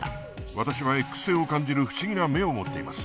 私はＸ線を感じる不思議な目を持っています。